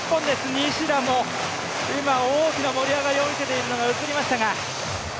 西田も今大きな盛り上がりを見せているのが映りましたが。